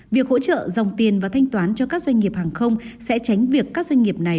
việc hỗ trợ dòng tiền và thanh toán cho các doanh nghiệp hàng không sẽ tránh việc các doanh nghiệp này